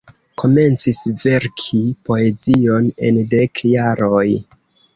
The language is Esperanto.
Komencis verki poezion en dek jaroj.